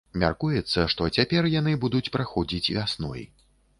Мяркуецца, што цяпер яны будуць праходзіць вясной.